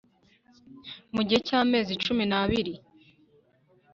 mu gihe cy amezi cumi n abiri